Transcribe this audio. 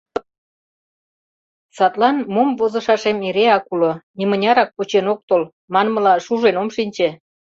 Садлан мом возышашем эреак уло, нимынярак пучен ок тол, манмыла, шужен ом шинче.